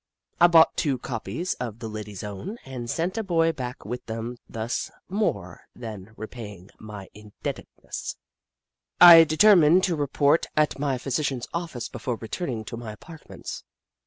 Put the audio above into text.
I bought two copies of TJie Ladies Own and sent a boy back with them, thus more than repaying my indebtedness. I determined to report at my physician's 54 The Book of Clever Beasts office before returning to my apartments.